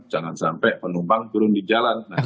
jangan sampai penumpang turun di jalan